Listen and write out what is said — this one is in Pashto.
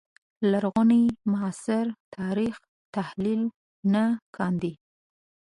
لرغوني معاصر تاریخ تحلیل نه کاندي